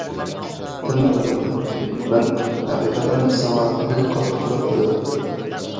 تەن ئالىمەن، مەن ھەقىقەتەن ساڭا بەك قاتتىقلىق قىلىۋەتتىم.